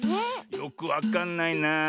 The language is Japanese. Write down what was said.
よくわかんないな。